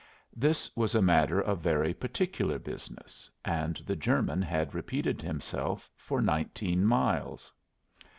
This was a matter of very particular business, and the German had repeated himself for nineteen miles.